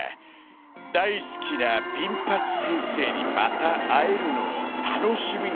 「大好きなビンパチ先生にまた会えるのを楽しみにしています！！」。